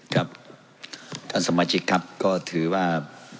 ครับท่านสมาชิกครับก็ถือว่า